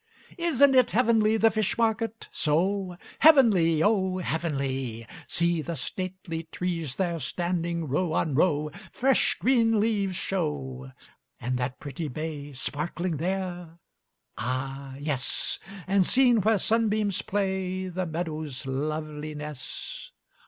Isn't it heavenly the fish market? So? "Heavenly, oh heavenly!" "See the stately trees there, standing row on row, Fresh, green leaves show! And that pretty bay Sparkling there?" "Ah yes!" "And, seen where sunbeams play, The meadows' loveliness?